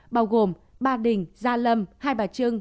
bao gồm ba đình gia lâm hai bà trưng